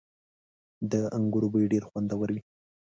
• د انګورو بوی ډېر خوندور وي.